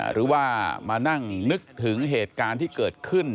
หรือว่ามานั่งนึกถึงเหตุการณ์ที่เกิดขึ้น